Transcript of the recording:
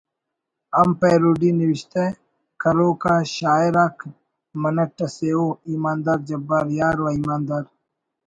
ہم پیروڈی نوشتہ کروک آ شاعر آک منٹ اسے ءُ ایماندار جبار یار و ایماندار